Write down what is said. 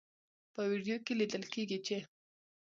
په ویډیو کې لیدل کیږي چې